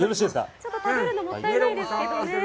ちょっと、食べるのもったいないですけどね。